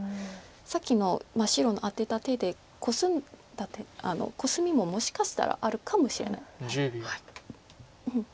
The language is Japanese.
さっきの白のアテた手でコスミももしかしたらあるかもしれない。